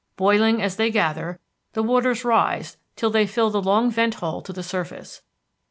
Boiling as they gather, the waters rise till they fill the long vent hole to the surface.